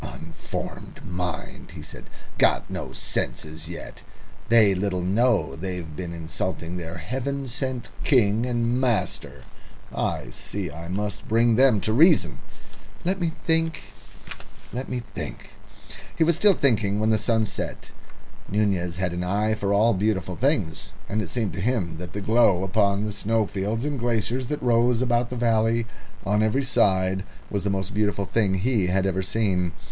"Unformed mind!" he said. "Got no senses yet! They little know they've been insulting their heaven sent king and master. I see I must bring them to reason. Let me think let me think." He was still thinking when the sun set. Nunez had an eye for all beautiful things, and it seemed to him that the glow upon the snowfields and glaciers that rose about the valley on every side was the most beautiful thing he had ever seen.